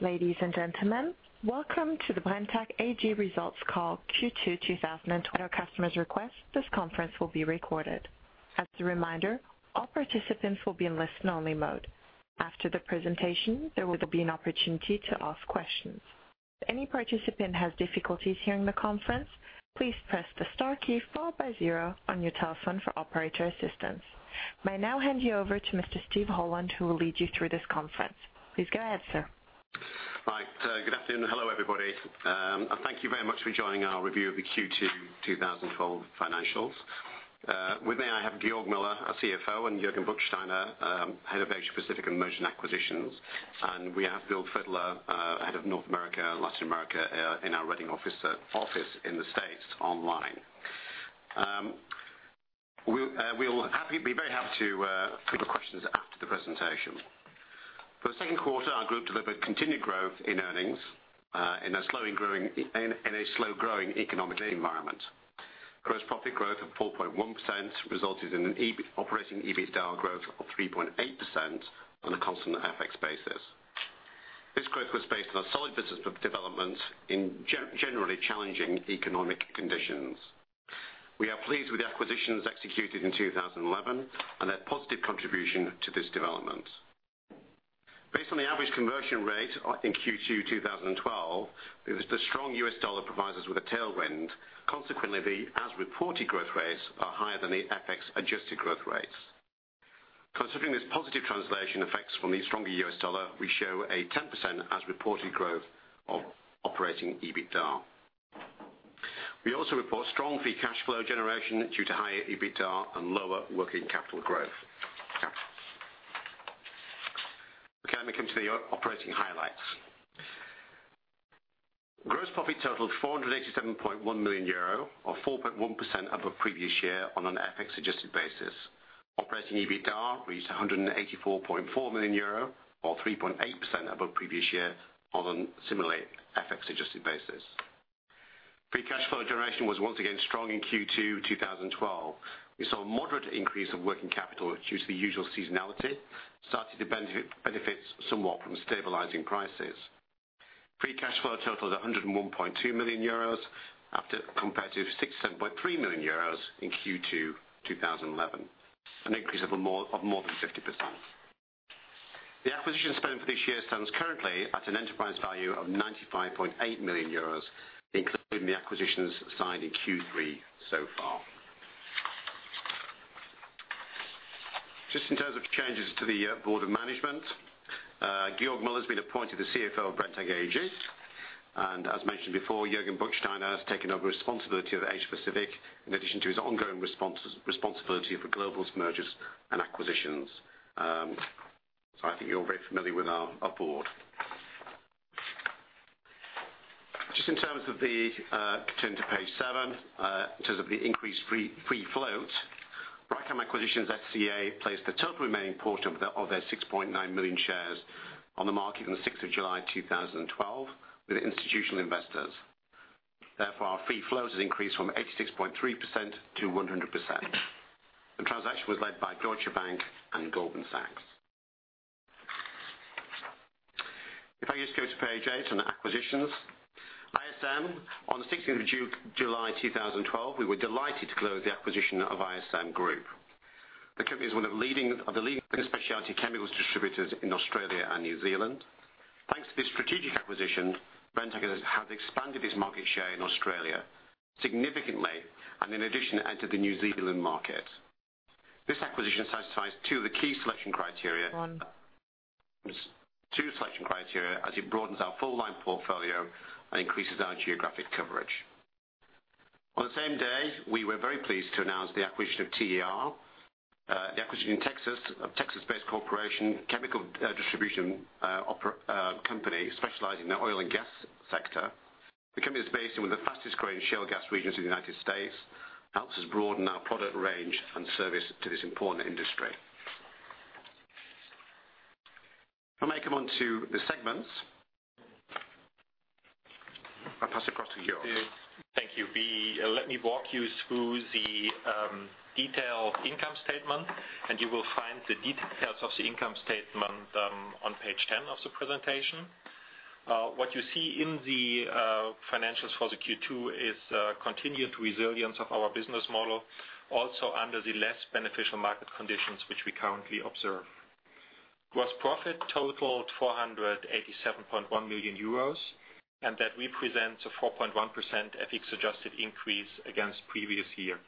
Ladies and gentlemen, welcome to the Brenntag AG results call Q2 2012. At our customer's request, this conference will be recorded. As a reminder, all participants will be in listen only mode. After the presentation, there will be an opportunity to ask questions. If any participant has difficulties hearing the conference, please press the star key followed by zero on your telephone for operator assistance. May I now hand you over to Mr. Steven Holland, who will lead you through this conference. Please go ahead, sir. Right. Good afternoon and hello, everybody. Thank you very much for joining our review of the Q2 2012 financials. With me, I have Georg Müller, our CFO, and Jürgen Buchsteiner, Head of Asia Pacific and Mergers & Acquisitions. We have Bill Fittler, Head of North America and Latin America in our Reading office in the U.S. online. We will be very happy to take questions after the presentation. For the second quarter, our group delivered continued growth in earnings in a slow growing economic environment. Gross profit growth of 4.1% resulted in an operating EBITDA growth of 3.8% on a constant FX basis. This growth was based on solid business developments in generally challenging economic conditions. We are pleased with the acquisitions executed in 2011 and their positive contribution to this development. Based on the average conversion rate in Q2 2012, the strong US dollar provides us with a tailwind. Consequently, the as-reported growth rates are higher than the FX-adjusted growth rates. Considering this positive translation effects from the stronger US dollar, we show a 10% as-reported growth of operating EBITDA. We also report strong free cash flow generation due to higher EBITDA and lower working capital growth. Let me come to the operating highlights. Gross profit totaled 487.1 million euro or 4.1% above previous year on an FX-adjusted basis. Operating EBITDA reached 184.4 million euro or 3.8% above previous year on a similarly FX-adjusted basis. Free cash flow generation was once again strong in Q2 2012. We saw a moderate increase of working capital due to the usual seasonality, starting to benefit somewhat from stabilizing prices. Free cash flow totaled 101.2 million euros compared to 67.3 million euros in Q2 2011, an increase of more than 50%. The acquisition spend for this year stands currently at an enterprise value of 95.8 million euros, including the acquisitions signed in Q3 so far. Just in terms of changes to the board of management, Georg Müller has been appointed the CFO of Brenntag AG, and as mentioned before, Jürgen Buchsteiner has taken over responsibility of Asia Pacific in addition to his ongoing responsibility for global Mergers & Acquisitions. I think you're all very familiar with our board. Just turn to page seven, in terms of the increased free float. Brachem Acquisition S.C.A. placed the total remaining portion of their 6.9 million shares on the market on the 6th of July 2012 with institutional investors. Therefore, our free float has increased from 86.3% to 100%. The transaction was led by Deutsche Bank and Goldman Sachs. If I just go to page eight on acquisitions. ISM Group on the 16th of July 2012, we were delighted to close the acquisition of ISM Group. The company is one of the leading specialty chemicals distributors in Australia and New Zealand. Thanks to this strategic acquisition, Brenntag has expanded its market share in Australia significantly and in addition, entered the New Zealand market. This acquisition satisfies two of the key selection criteria as it broadens our full line portfolio and increases our geographic coverage. On the same day, we were very pleased to announce the acquisition of TER, the acquisition of TER Corporation chemical distribution company specializing in the oil and gas sector. The company is based in one of the fastest growing shale gas regions in the U.S. Helps us broaden our product range and service to this important industry. If I may come on to the segments. I'll pass across to Georg. Thank you. Let me walk you through the detailed income statement, and you will find the details of the income statement on page 10 of the presentation. What you see in the financials for the Q2 is continued resilience of our business model, also under the less beneficial market conditions which we currently observe. Gross profit totaled 487.1 million euros, and that represents a 4.1% FX-adjusted increase against previous year.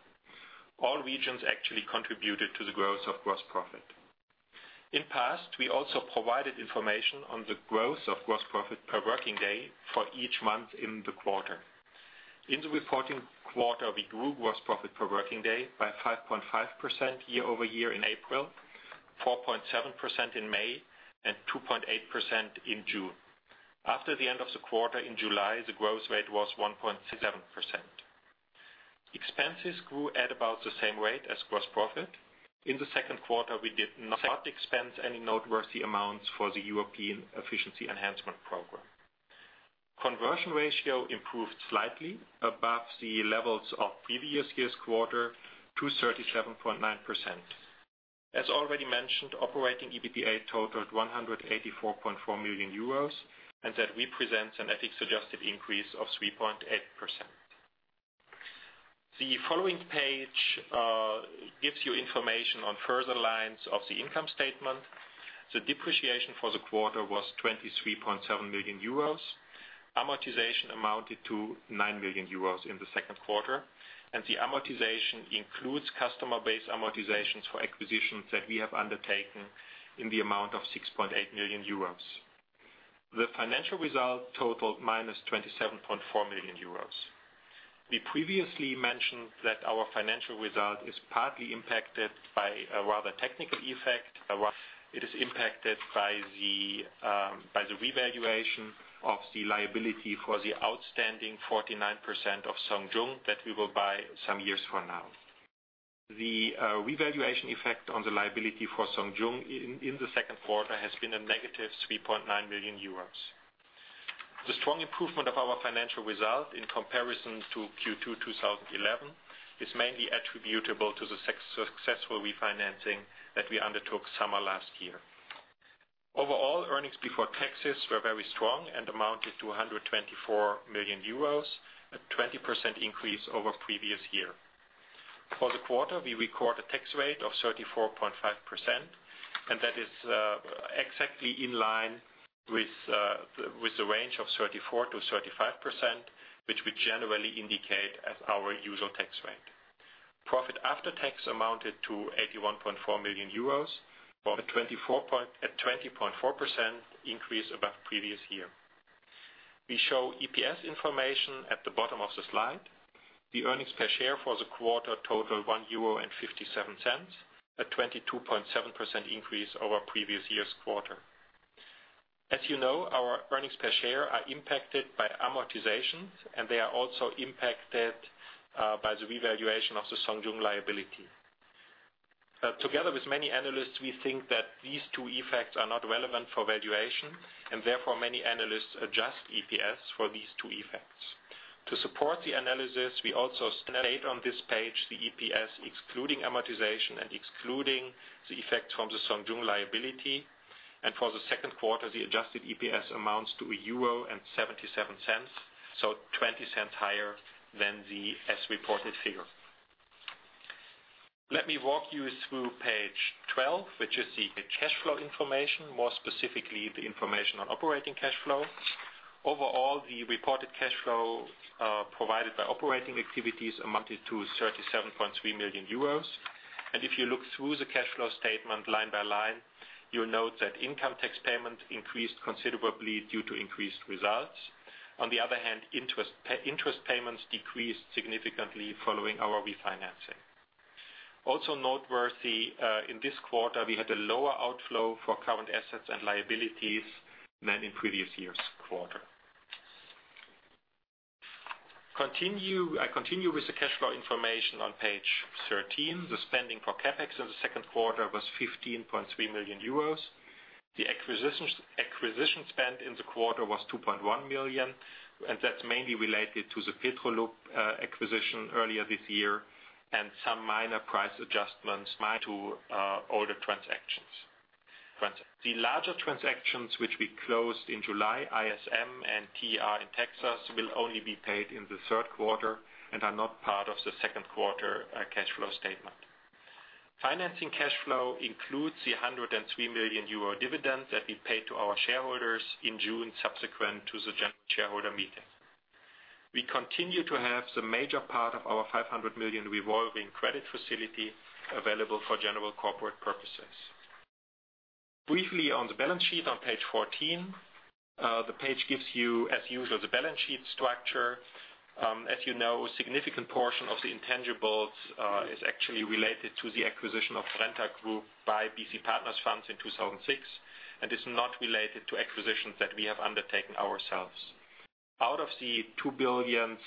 All regions actually contributed to the growth of gross profit. In the past, we also provided information on the growth of gross profit per working day for each month in the quarter. In the reporting quarter, we grew gross profit per working day by 5.5% year-over-year in April, 4.7% in May, and 2.8% in June. After the end of the quarter in July, the growth rate was 1.7%. Expenses grew at about the same rate as gross profit. In the second quarter, we did not expense any noteworthy amounts for the European efficiency enhancement program. Conversion ratio improved slightly above the levels of previous year's quarter to 37.9%. As already mentioned, operating EBITDA totaled 184.4 million euros, and that represents an FX-adjusted increase of 3.8%. The following page gives you information on further lines of the income statement. The depreciation for the quarter was 23.7 million euros. Amortization amounted to 9 million euros in the second quarter, and the amortization includes customer-based amortizations for acquisitions that we have undertaken in the amount of 6.8 million euros. The financial result totaled minus 27.4 million euros. We previously mentioned that our financial result is partly impacted by a rather technical effect. It is impacted by the revaluation of the liability for the outstanding 49% of Zhong Yung that we will buy some years from now. The revaluation effect on the liability for Zhong Yung in the second quarter has been a negative 3.9 million euros. The strong improvement of our financial result in comparison to Q2 2011 is mainly attributable to the successful refinancing that we undertook summer last year. Overall, earnings before taxes were very strong and amounted to 124 million euros, a 20% increase over previous year. For the quarter, we record a tax rate of 34.5%, and that is exactly in line with the range of 34%-35%, which we generally indicate as our usual tax rate. Profit after tax amounted to 81.4 million euros on a 20.4% increase above previous year. We show EPS information at the bottom of the slide. The earnings per share for the quarter totaled 1.57 euro, a 22.7% increase over previous year's quarter. As you know, our earnings per share are impacted by amortizations, and they are also impacted by the revaluation of the Zhong Yung liability. Together with many analysts, we think that these two effects are not relevant for valuation, and therefore, many analysts adjust EPS for these two effects. To support the analysis, we also state on this page the EPS excluding amortization and excluding the effect from the Zhong Yung liability. For the second quarter, the adjusted EPS amounts to 1.77 euro, so 0.20 higher than the as-reported figure. Let me walk you through page 12, which is the cash flow information, more specifically the information on operating cash flow. Overall, the reported cash flow provided by operating activities amounted to 37.3 million euros. If you look through the cash flow statement line by line, you'll note that income tax payment increased considerably due to increased results. On the other hand, interest payments decreased significantly following our refinancing. Also noteworthy, in this quarter, we had a lower outflow for current assets and liabilities than in previous year's quarter. I continue with the cash flow information on page 13. The spending for CapEx in the second quarter was 15.3 million euros. The acquisition spend in the quarter was 2.1 million, and that's mainly related to the Petrolube acquisition earlier this year and some minor price adjustments made to older transactions. The larger transactions, which we closed in July, ISM and TR in Texas, will only be paid in the third quarter and are not part of the second quarter cash flow statement. Financing cash flow includes the 103 million euro dividend that we paid to our shareholders in June subsequent to the general shareholder meeting. We continue to have the major part of our 500 million revolving credit facility available for general corporate purposes. Briefly on the balance sheet on page 14. The page gives you, as usual, the balance sheet structure. As you know, a significant portion of the intangibles is actually related to the acquisition of Brenntag Group by BC Partners funds in 2006 and is not related to acquisitions that we have undertaken ourselves. Out of the 2.07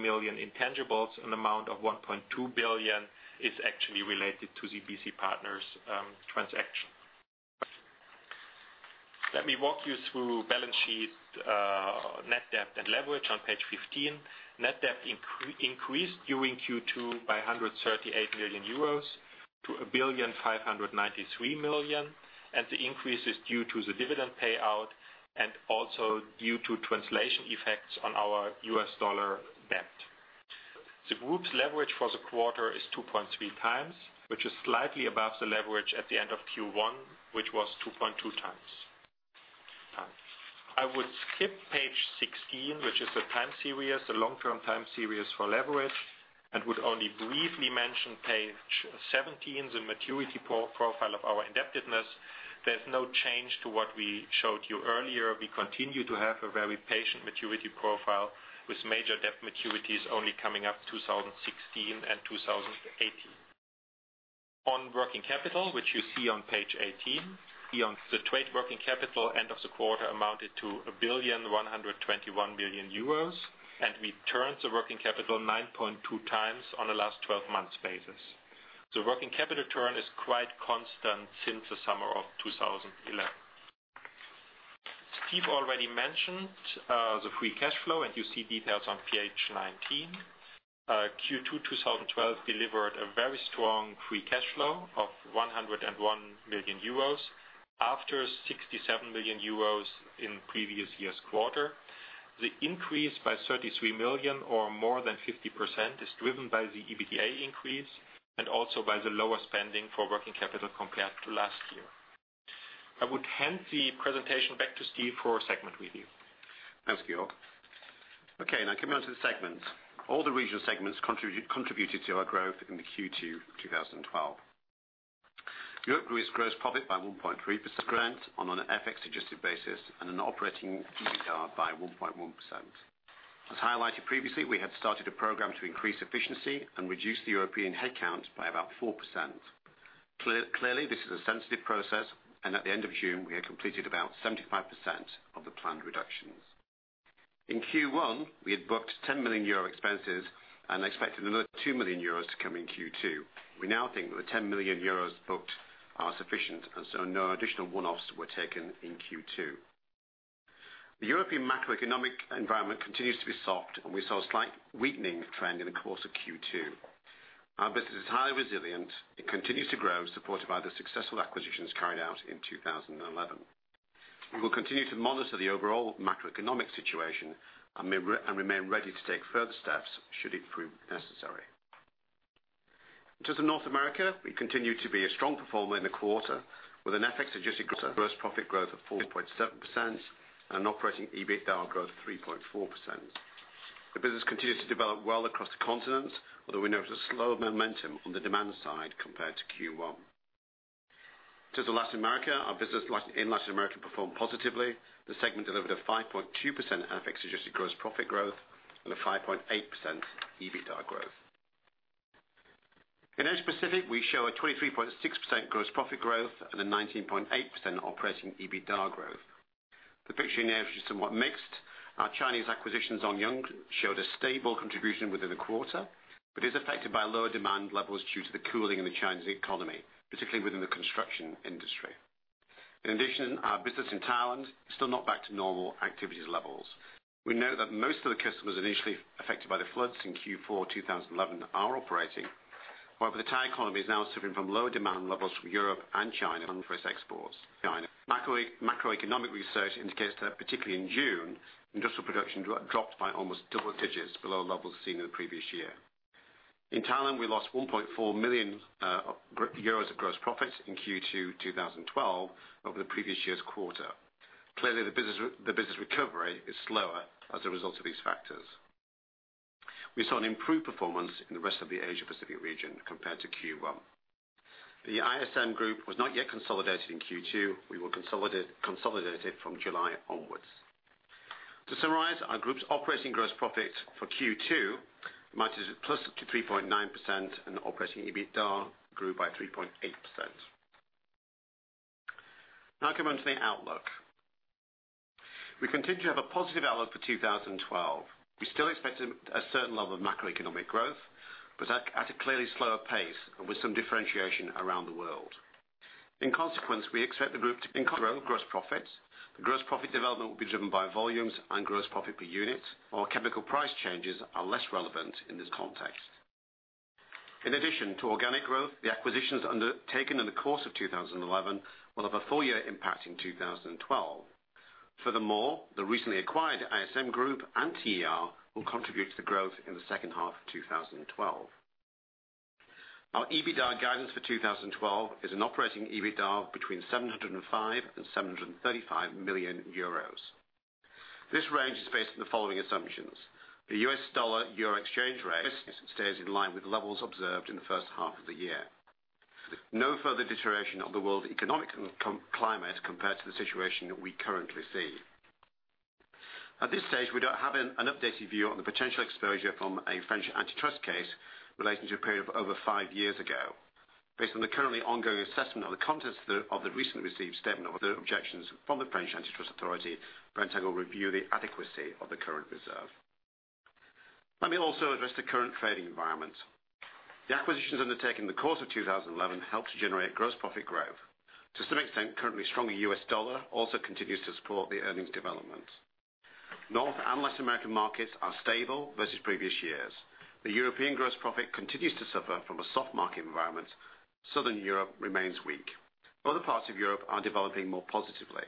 billion intangibles, an amount of 1.2 billion is actually related to the BC Partners transaction. Let me walk you through balance sheet net debt and leverage on page 15. Net debt increased during Q2 by 138 million euros to 1,593 million, and the increase is due to the dividend payout and also due to translation effects on our U.S. dollar debt. The group's leverage for the quarter is 2.3 times, which is slightly above the leverage at the end of Q1, which was 2.2 times. I would skip page 16, which is the long-term time series for leverage, and would only briefly mention page 17, the maturity profile of our indebtedness. There's no change to what we showed you earlier. We continue to have a very patient maturity profile with major debt maturities only coming up 2016 and 2018. On working capital, which you see on page 18, the trade working capital end of the quarter amounted to 1,121 million euros, and we turned the working capital 9.2 times on a last 12 months basis. The working capital turn is quite constant since the summer of 2011. Steve already mentioned the free cash flow, and you see details on page 19. Q2 2012 delivered a very strong free cash flow of 101 million euros after 67 million euros in previous year's quarter. The increase by 33 million, or more than 50%, is driven by the EBITDA increase and also by the lower spending for working capital compared to last year. I would hand the presentation back to Steve for segment review. Thanks, Georg. Okay, now coming on to the segments. All the regional segments contributed to our growth in the Q2 2012. Europe grew its gross profit by 1.3% on an FX-adjusted basis, and an operating EBITDA by 1.1%. As highlighted previously, we had started a program to increase efficiency and reduce the European headcounts by about 4%. Clearly, this is a sensitive process, and at the end of June, we had completed about 75% of the planned reductions. In Q1, we had booked 10 million euro expenses and expected another 2 million euros to come in Q2. We now think that the 10 million euros booked are sufficient, and no additional one-offs were taken in Q2. The European macroeconomic environment continues to be soft, and we saw a slight weakening trend in the course of Q2. Our business is highly resilient. It continues to grow, supported by the successful acquisitions carried out in 2011. We will continue to monitor the overall macroeconomic situation and remain ready to take further steps should it prove necessary. To the North America. We continue to be a strong performer in the quarter, with an FX-adjusted gross profit growth of 4.7% and an operating EBITDA growth of 3.4%. The business continues to develop well across the continent, although we notice a slower momentum on the demand side compared to Q1. To the Latin America. Our business in Latin America performed positively. The segment delivered a 5.2% FX-adjusted gross profit growth and a 5.8% EBITDA growth. In Asia Pacific, we show a 23.6% gross profit growth and a 19.8% operating EBITDA growth. The picture in Asia is somewhat mixed. Our Chinese acquisitions Zhong Yung showed a stable contribution within the quarter but is affected by lower demand levels due to the cooling in the Chinese economy, particularly within the construction industry. In addition, our business in Thailand is still not back to normal activity levels. We know that most of the customers initially affected by the floods in Q4 2011 are operating. However, the Thai economy is now suffering from lower demand levels from Europe and China for exports. Macroeconomic research indicates that particularly in June, industrial production dropped by almost double-digits below levels seen in the previous year. In Thailand, we lost 1.4 million euros of gross profits in Q2 2012 over the previous year's quarter. Clearly, the business recovery is slower as a result of these factors. We saw an improved performance in the rest of the Asia Pacific region compared to Q1. The ISM group was not yet consolidated in Q2. We were consolidated from July onwards. To summarize, our group's operating gross profit for Q2 matches +3.9%, and the operating EBITDA grew by 3.8%. Now coming on to the outlook. We continue to have a positive outlook for 2012. We still expect a certain level of macroeconomic growth, but at a clearly slower pace and with some differentiation around the world. In consequence, we expect the group to grow gross profits. The gross profit development will be driven by volumes and gross profit per unit, while chemical price changes are less relevant in this context. In addition to organic growth, the acquisitions undertaken in the course of 2011 will have a full-year impact in 2012. Furthermore, the recently acquired ISM Group and TER will contribute to the growth in the second half of 2012. Our EBITDA guidance for 2012 is an operating EBITDA between 705 million and 735 million euros. This range is based on the following assumptions. The US dollar/EUR exchange rate stays in line with levels observed in the first half of the year. No further deterioration of the world economic climate compared to the situation we currently see. At this stage, we don't have an updated view on the potential exposure from a French antitrust case relating to a period of over five years ago. Based on the currently ongoing assessment of the contents of the recently received Statement of Objections from the French antitrust authority, Brenntag will review the adequacy of the current reserve. Let me also address the current trading environment. The acquisitions undertaken in the course of 2011 helped to generate gross profit growth. To some extent, currently stronger US dollar also continues to support the earnings development. North and West American markets are stable versus previous years. The European gross profit continues to suffer from a soft market environment. Southern Europe remains weak. Other parts of Europe are developing more positively.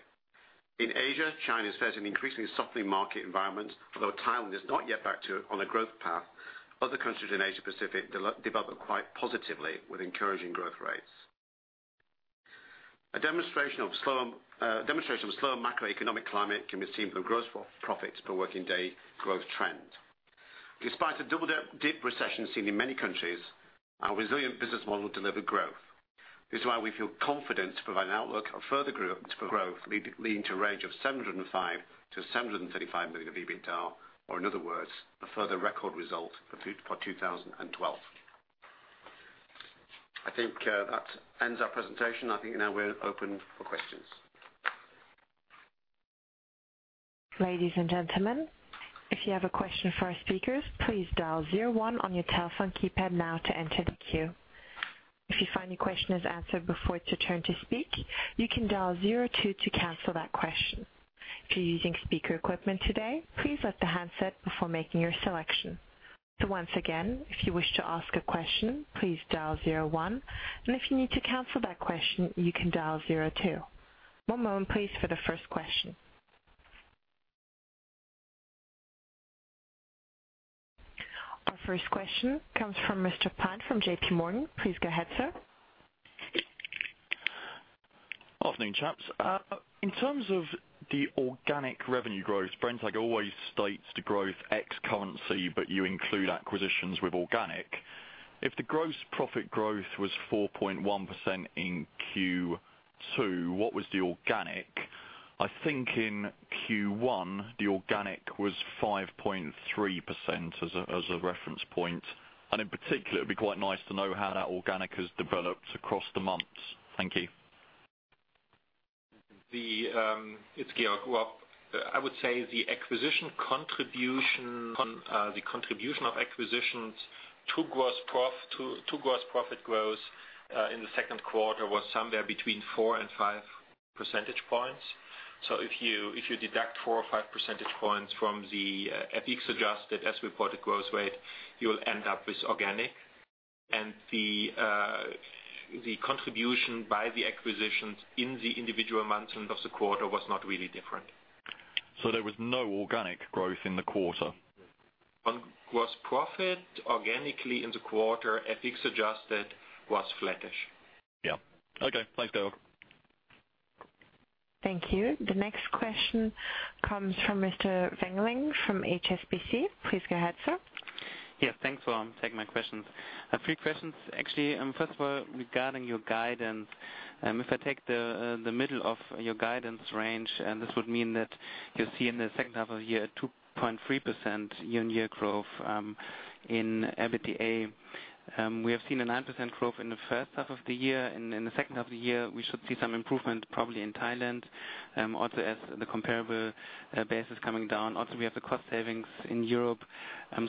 In Asia, China faces an increasingly softening market environment. Although Thailand is not yet back on a growth path, other countries in Asia Pacific develop quite positively with encouraging growth rates. A demonstration of slower macroeconomic climate can be seen from gross profits per working day growth trend. Despite a double-dip recession seen in many countries, our resilient business model delivered growth. This is why we feel confident to provide an outlook of further growth leading to a range of 705 million to 735 million of EBITDA, or in other words, a further record result for 2012. I think that ends our presentation. I think now we're open for questions. Ladies and gentlemen, if you have a question for our speakers, please dial 01 on your telephone keypad now to enter the queue. If you find your question is answered before it's your turn to speak, you can dial 02 to cancel that question. If you're using speaker equipment today, please let the handset before making your selection. Once again, if you wish to ask a question, please dial 01, and if you need to cancel that question, you can dial 02. One moment please, for the first question. Our first question comes from Mr. Pan from JPMorgan. Please go ahead, sir. Afternoon, chaps. In terms of the organic revenue growth, Brenntag always states the growth ex-currency, but you include acquisitions with organic. If the gross profit growth was 4.1% in Q2, what was the organic? I think in Q1, the organic was 5.3% as a reference point. In particular, it'd be quite nice to know how that organic has developed across the months. Thank you. It's Georg. I would say the contribution of acquisitions to gross profit growth, in the second quarter was somewhere between four and five percentage points. If you deduct four or five percentage points from the FX-adjusted as reported growth rate, you'll end up with organic. The contribution by the acquisitions in the individual months of the quarter was not really different. There was no organic growth in the quarter? On gross profit, organically in the quarter, FX-adjusted was flattish. Yeah. Okay. Thanks, Georg. Thank you. The next question comes from Mr. Weng Ling from HSBC. Please go ahead, sir. Yes, thanks for taking my questions. Three questions, actually. First of all, regarding your guidance. If I take the middle of your guidance range, this would mean that you're seeing the second half of year 2.3% year-on-year growth in EBITDA. We have seen a 9% growth in the first half of the year. In the second half of the year, we should see some improvement probably in Thailand. Also, as the comparable base is coming down, also we have the cost savings in Europe.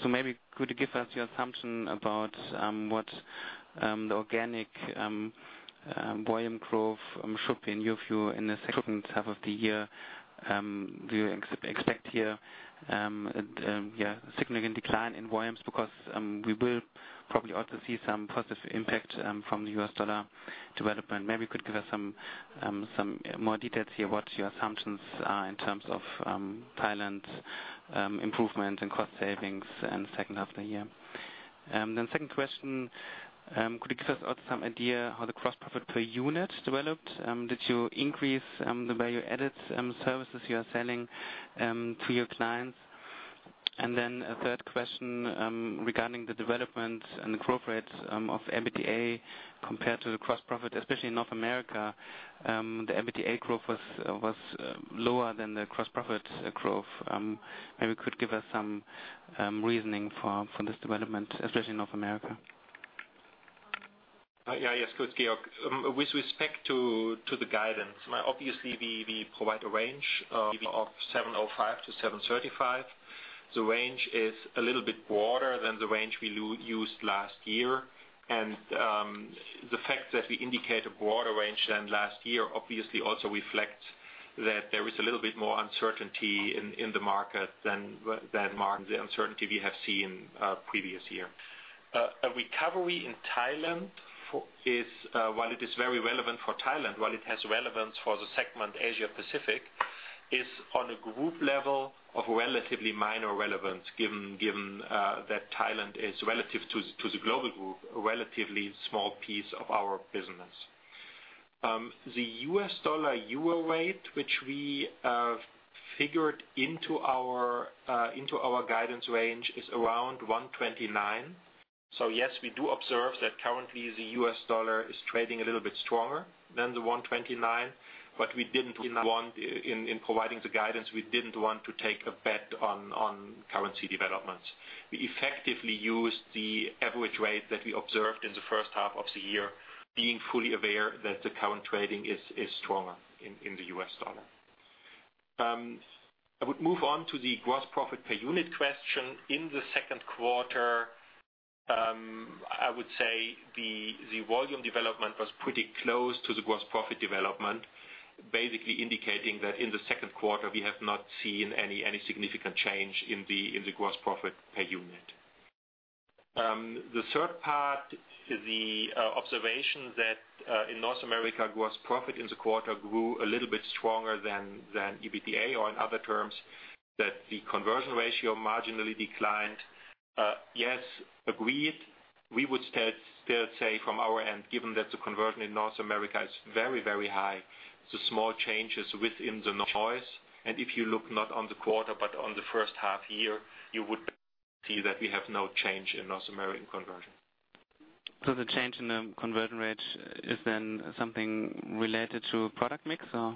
Maybe could you give us your assumption about what the organic volume growth should be in your view in the second half of the year? Do you expect here a significant decline in volumes? Because we will probably also see some positive impact from the U.S. dollar development. Maybe you could give us some more details here what your assumptions are in terms of Thailand's improvement and cost savings in the second half the year. Second question, could you give us some idea how the gross profit per unit developed? Did you increase the value added services you are selling to your clients? A third question, regarding the development and the growth rates of EBITDA compared to the gross profit, especially in North America, the EBITDA growth was lower than the gross profit growth. Maybe you could give us some reasoning for this development, especially in North America. Yes, it's Georg. With respect to the guidance, obviously we provide a range of 705 to 735. The range is a little bit broader than the range we used last year. The fact that we indicate a broader range than last year obviously also reflects that there is a little bit more uncertainty in the market than the uncertainty we have seen previous year. A recovery in Thailand, while it is very relevant for Thailand, while it has relevance for the segment Asia Pacific, is on a group level of relatively minor relevance given that Thailand is, relative to the global group, a relatively small piece of our business. The U.S. dollar-EUR rate, which we have figured into our guidance range, is around 129. Yes, we do observe that currently the U.S. dollar is trading a little bit stronger than the 129, in providing the guidance, we didn't want to take a bet on currency developments. We effectively used the average rate that we observed in the first half of the year, being fully aware that the current trading is stronger in the U.S. dollar. I would move on to the gross profit per unit question. In the second quarter, I would say the volume development was pretty close to the gross profit development, basically indicating that in the second quarter we have not seen any significant change in the gross profit per unit. The third part, the observation that in North America, gross profit in the quarter grew a little bit stronger than EBITDA or in other terms, that the conversion ratio marginally declined. Yes, agreed. We would still say from our end, given that the conversion in North America is very high, the small change is within the noise. If you look not on the quarter but on the first half year, you would see that we have no change in North American conversion. The change in the conversion rate is then something related to product mix or?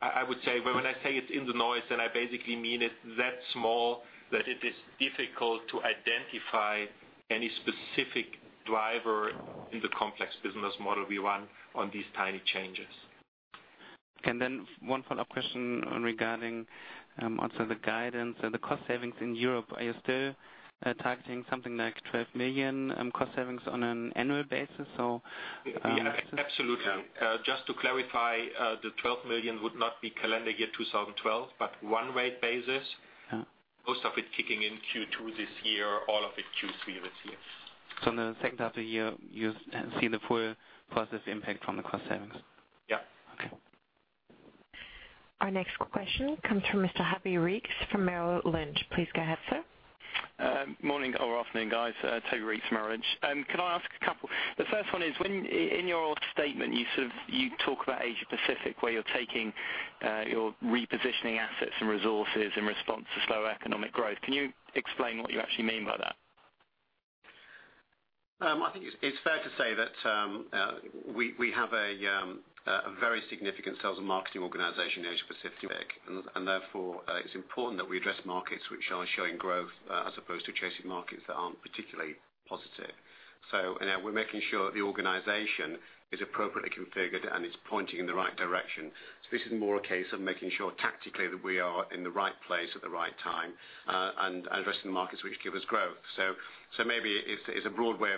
When I say it's in the noise, then I basically mean it's that small that it is difficult to identify any specific driver in the complex business model we run on these tiny changes. Then one follow-up question regarding also the guidance and the cost savings in Europe. Are you still targeting something like 12 million cost savings on an annual basis? Yes, absolutely. Just to clarify, the 12 million would not be calendar year 2012, but one rate basis. Yeah. Most of it kicking in Q2 this year, all of it Q3 this year. In the second half of the year, you'll see the full process impact from the cost savings. Yeah. Okay. Our next question comes from Mr. Toby Reeves from Merrill Lynch. Please go ahead, sir. Morning or afternoon, guys. Toby Reeves from Merrill Lynch. Can I ask a couple? The first one is, in your statement, you talk about Asia Pacific, where you're taking your repositioning assets and resources in response to slow economic growth. Can you explain what you actually mean by that? I think it's fair to say that we have a very significant sales and marketing organization in Asia Pacific. Therefore, it's important that we address markets which are showing growth, as opposed to chasing markets that aren't particularly positive. In that, we're making sure the organization is appropriately configured and it's pointing in the right direction. This is more a case of making sure tactically that we are in the right place at the right time, and addressing the markets which give us growth. Maybe it's a broad way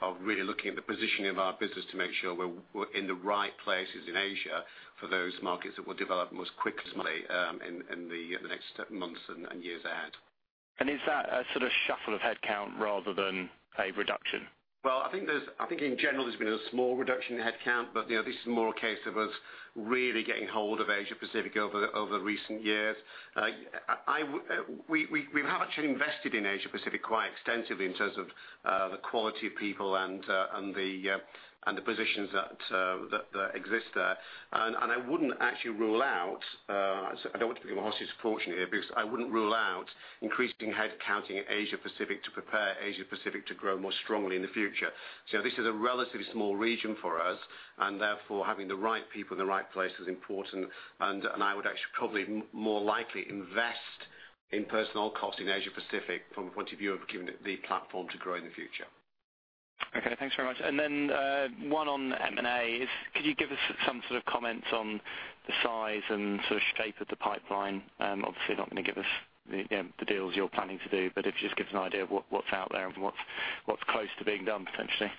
of really looking at the positioning of our business to make sure we're in the right places in Asia for those markets that will develop most quickly in the next months and years ahead. Is that a sort of shuffle of headcount rather than a reduction? Well, I think in general, there's been a small reduction in headcount, but this is more a case of us really getting hold of Asia Pacific over recent years. We have actually invested in Asia Pacific quite extensively in terms of the quality of people and the positions that exist there. I wouldn't actually rule out, I don't want to be 100% fortunate here, because I wouldn't rule out increasing head counting in Asia Pacific to prepare Asia Pacific to grow more strongly in the future. This is a relatively small region for us, and therefore, having the right people in the right place is important, and I would actually probably more likely invest in personnel cost in Asia Pacific from the point of view of giving it the platform to grow in the future. Okay, thanks very much. Then one on M&A is, could you give us some sort of comments on the size and sort of shape of the pipeline? Obviously, you're not going to give us the deals you're planning to do, but if you just give us an idea of what's out there and what's close to being done, potentially.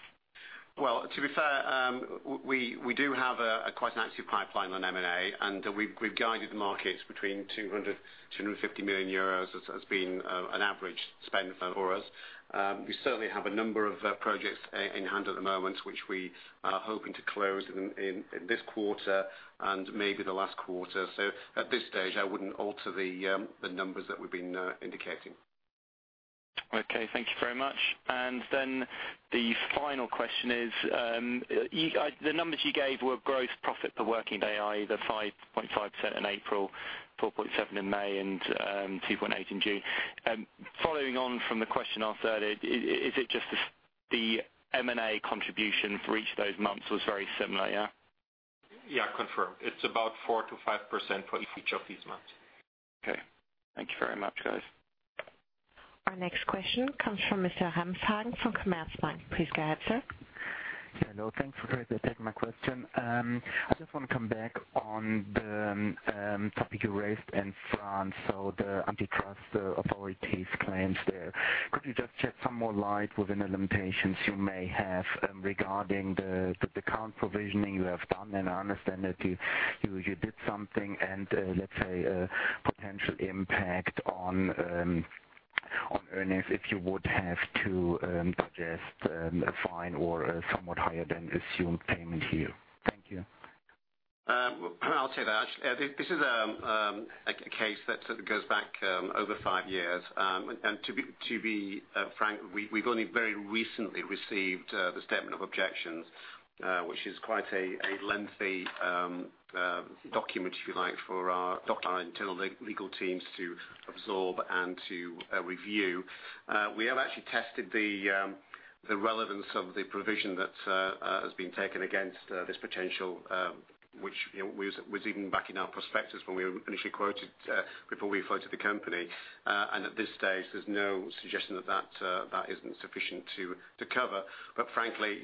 Well, to be fair, we do have quite an active pipeline on M&A, and we've guided the markets between 200 million-250 million euros has been an average spend for us. We certainly have a number of projects in-hand at the moment, which we are hoping to close in this quarter and maybe the last quarter or so. At this stage, I wouldn't alter the numbers that we've been indicating. Okay, thank you very much. Then the final question is, the numbers you gave were gross profit per working day, either 5.5% in April, 4.7% in May, and 2.8% in June. Following on from the question asked earlier, is it just the M&A contribution for each of those months was very similar, yeah? Yeah, confirmed. It's about 4%-5% for each of these months. Okay. Thank you very much, guys. Our next question comes from Mr. Ramshagen from Commerzbank. Please go ahead, sir. Hello. Thanks for taking my question. I just want to come back on the topic you raised in France, so the antitrust authorities claims there. Could you just shed some more light within the limitations you may have regarding the account provisioning you have done? I understand that you did something and let's say a potential impact on earnings if you would have to suggest a fine or somewhat higher than assumed payment here. Thank you. I'll say that. This is a case that sort of goes back over five years. To be frank, we've only very recently received the Statement of Objections, which is quite a lengthy document, if you like, for our internal legal teams to absorb and to review. We have actually tested the relevance of the provision that has been taken against this potential, which was even back in our prospectus when we initially quoted before we floated the company. At this stage, there's no suggestion that that isn't sufficient to cover. Frankly,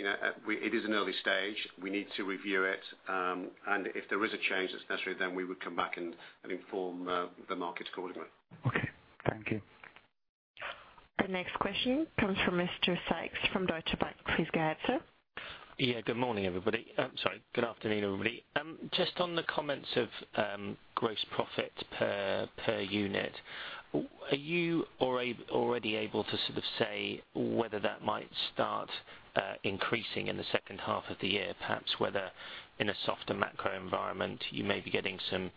it is an early stage. We need to review it, and if there is a change that's necessary, then we would come back and inform the markets accordingly. Okay. Thank you. The next question comes from Mr. Sykes from Deutsche Bank. Please go ahead, sir. Yeah. Good morning, everybody. I'm sorry. Good afternoon, everybody. Just on the comments of gross profit per unit. Are you already able to sort of say whether that might start increasing in the second half of the year, perhaps whether in a softer macro environment, you may be getting some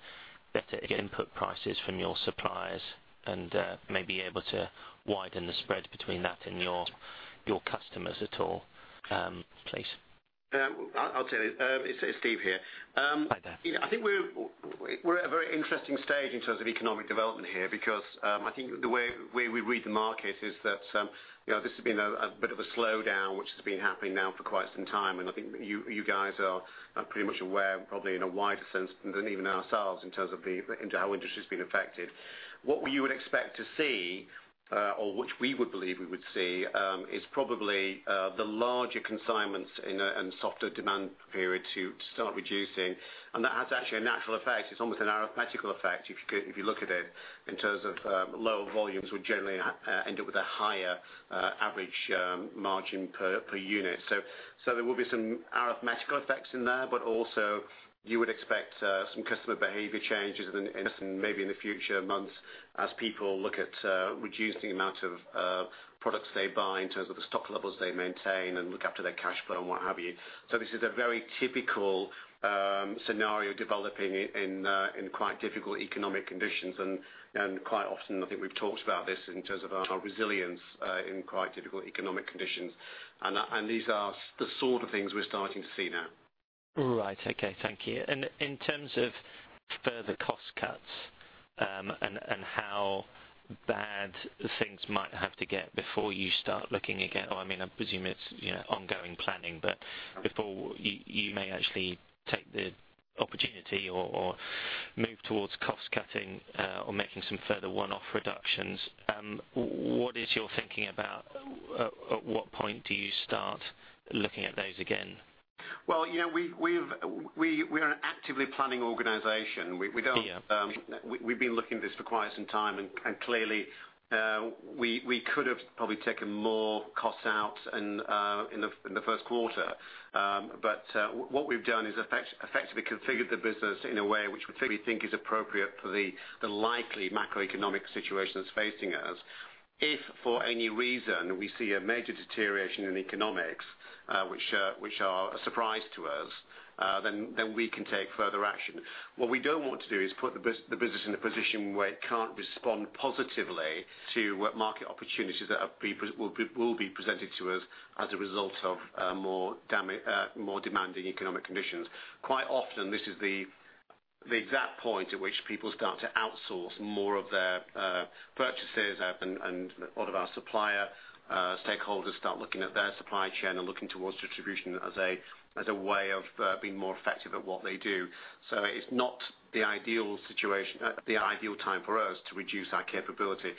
better input prices from your suppliers and may be able to widen the spread between that and your customers at all, please? I'll tell you. It's Steve here. Hi there. We're at a very interesting stage in terms of economic development here, because I think the way we read the market is that this has been a bit of a slowdown, which has been happening now for quite some time. I think you guys are pretty much aware, probably in a wider sense than even ourselves, in terms of how industry's been affected. What we would expect to see, or which we would believe we would see, is probably the larger consignments and softer demand period to start reducing. That has actually a natural effect. It's almost an arithmetical effect if you look at it, in terms of lower volumes would generally end up with a higher average margin per unit. There will be some arithmetical effects in there, but also you would expect some customer behavior changes in maybe in the future months as people look at reducing the amount of products they buy in terms of the stock levels they maintain and look after their cash flow and what have you. This is a very typical scenario developing in quite difficult economic conditions, and quite often, I think we've talked about this in terms of our resilience in quite difficult economic conditions. These are the sort of things we're starting to see now. Right. Okay. Thank you. In terms of further cost cuts, and how bad things might have to get before you start looking again, I presume it's ongoing planning, but before you may actually take the opportunity or move towards cost-cutting or making some further one-off reductions, what is your thinking about at what point do you start looking at those again? We are an actively planning organization. Yeah. We've been looking at this for quite some time. Clearly we could have probably taken more costs out in the first quarter. What we've done is effectively configured the business in a way which we think is appropriate for the likely macroeconomic situation that's facing us. If for any reason we see a major deterioration in economics, which are a surprise to us, then we can take further action. What we don't want to do is put the business in a position where it can't respond positively to what market opportunities that will be presented to us as a result of more demanding economic conditions. Quite often, this is the exact point at which people start to outsource more of their purchases. A lot of our supplier stakeholders start looking at their supply chain and looking towards distribution as a way of being more effective at what they do. It's not the ideal time for us to reduce our capability.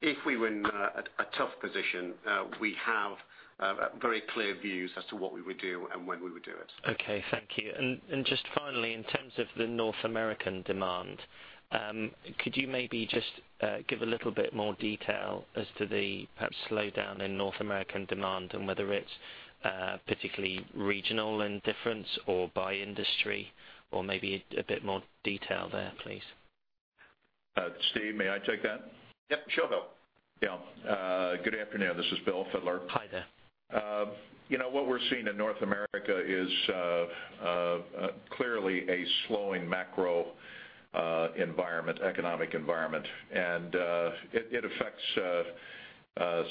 If we were in a tough position, we have very clear views as to what we would do and when we would do it. Okay, thank you. Just finally, in terms of the North American demand, could you maybe just give a little bit more detail as to the perhaps slowdown in North American demand and whether it's particularly regional in difference or by industry or maybe a bit more detail there, please? Steve, may I take that? Yep. Sure, Bill. Good afternoon. This is Bill Fittler. Hi there. What we're seeing in North America is clearly a slowing macro environment, economic environment. It affects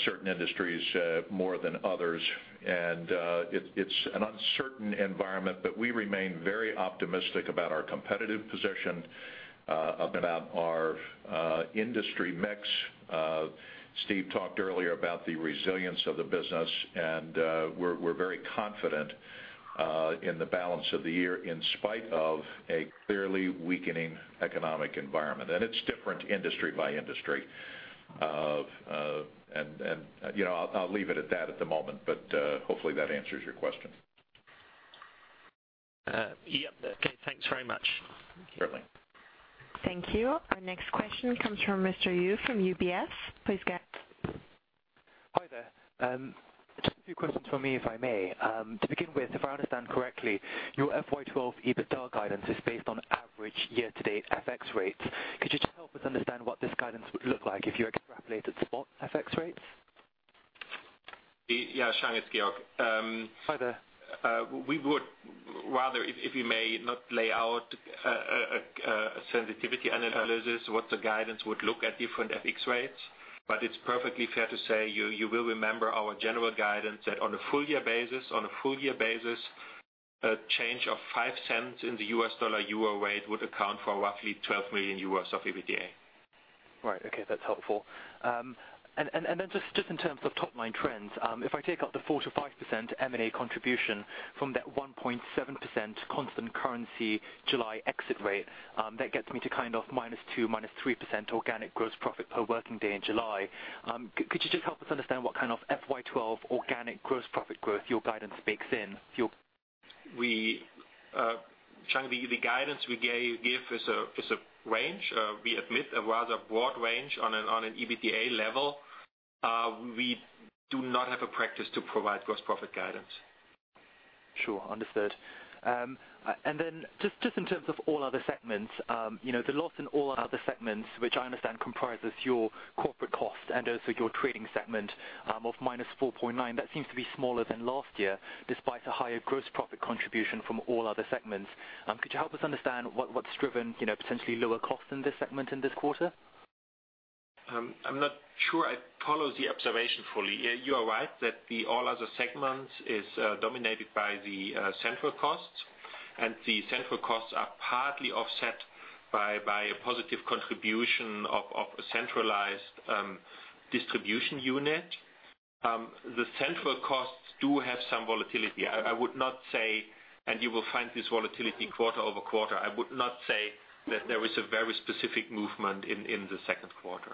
certain industries more than others. It's an uncertain environment, but we remain very optimistic about our competitive position, about our industry mix. Steve talked earlier about the resilience of the business, and we're very confident in the balance of the year in spite of a clearly weakening economic environment. It's different industry by industry. I'll leave it at that at the moment, but hopefully that answers your question. Yep. Okay. Thanks very much. Certainly. Thank you. Our next question comes from Mr. Yu from UBS. Please go ahead. Hi there. Just a few questions from me, if I may. To begin with, if I understand correctly, your FY 2012 EBITDA guidance is based on average year-to-date FX rates. Could you just help us understand what this guidance would look like if you extrapolated spot FX rates? Yeah, Xiang, it's Georg. Hi there. We would rather, if you may, not lay out a sensitivity analysis, what the guidance would look at different FX rates. It's perfectly fair to say, you will remember our general guidance that on a full year basis, a change of $0.05 in the US dollar-euro rate would account for roughly 12 million euros of EBITDA. Right. Okay, that's helpful. Just in terms of top-line trends, if I take out the 4%-5% M&A contribution from that 1.7% constant currency July exit rate, that gets me to kind of -2%, -3% organic gross profit per working day in July. Could you just help us understand what kind of FY 2012 organic gross profit growth your guidance bakes in? Xiang, the guidance we give is a range. We admit a rather broad range on an EBITDA level. We do not have a practice to provide gross profit guidance. Sure. Understood. Just in terms of all other segments, the loss in all other segments, which I understand comprises your corporate cost and also your trading segment of minus 4.9. That seems to be smaller than last year, despite a higher gross profit contribution from all other segments. Could you help us understand what's driven potentially lower costs in this segment in this quarter? I'm not sure I follow the observation fully. You are right that the all other segments is dominated by the central costs, and the central costs are partly offset by a positive contribution of a centralized distribution unit. The central costs do have some volatility. I would not say, you will find this volatility quarter-over-quarter. I would not say that there is a very specific movement in the second quarter.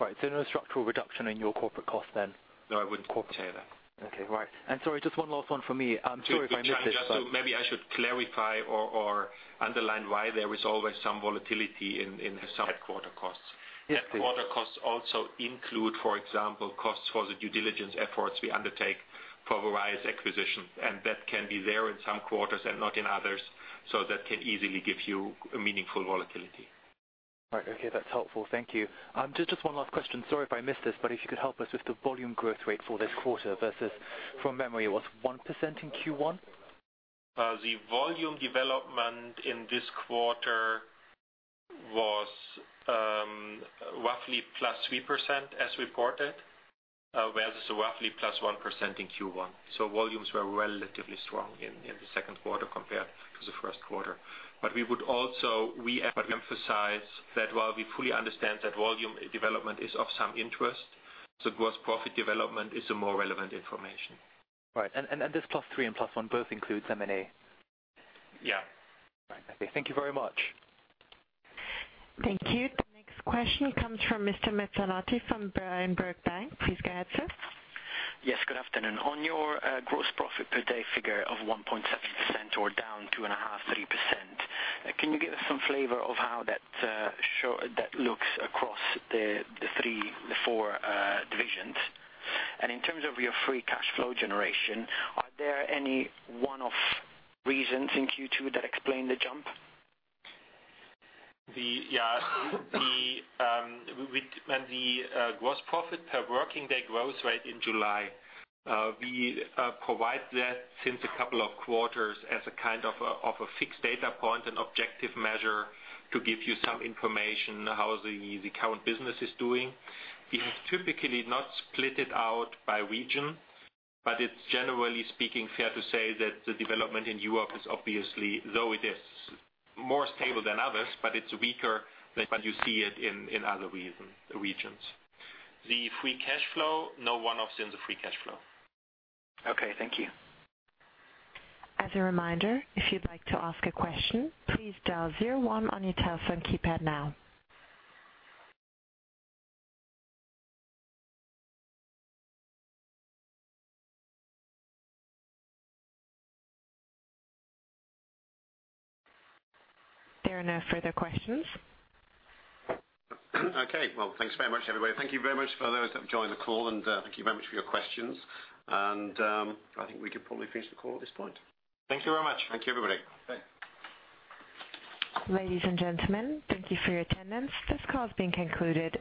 Right. No structural reduction in your corporate cost then? No, I wouldn't say that. Okay. Right. Sorry, just one last one for me. I'm sorry if I missed it. Just maybe I should clarify or underline why there is always some volatility in the sub-headquarter costs. Yes, please. Headquarter costs also include, for example, costs for the due diligence efforts we undertake for various acquisitions. That can be there in some quarters and not in others. That can easily give you a meaningful volatility. Right. Okay. That's helpful. Thank you. Just one last question. Sorry if I missed this, but if you could help us with the volume growth rate for this quarter versus, from memory, it was 1% in Q1? The volume development in this quarter was roughly plus 3% as reported whereas roughly plus 1% in Q1. Volumes were relatively strong in the second quarter compared to the first quarter. We would also emphasize that while we fully understand that volume development is of some interest, the gross profit development is a more relevant information. Right. This plus three and plus one both include M&A? Yeah. Right. Okay. Thank you very much. Thank you. The next question comes from Mr. Mazzolati from Berenberg Bank. Please go ahead, sir. Yes, good afternoon. On your gross profit per day figure of 1.7% or down 2.5%-3%, can you give us some flavor of how that looks across the four divisions? In terms of your free cash flow generation, are there any one-off reasons in Q2 that explain the jump? Yes. The gross profit per working day growth rate in July, we provide that since a couple of quarters as a kind of a fixed data point and objective measure to give you some information how the current business is doing. We have typically not split it out by region, but it's generally speaking fair to say that the development in Europe is obviously, though it is more stable than others, but it's weaker than you see it in other regions. The free cash flow, no one-offs in the free cash flow. Okay, thank you. As a reminder, if you'd like to ask a question, please dial zero one on your telephone keypad now. There are no further questions. Okay. Well, thanks very much, everybody. Thank you very much for those that joined the call. Thank you very much for your questions. I think we can probably finish the call at this point. Thank you very much. Thank you, everybody. Bye. Ladies and gentlemen, thank you for your attendance. This call has been concluded.